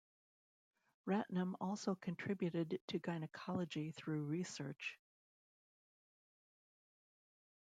Ratnam also contributed to gynaecology through research.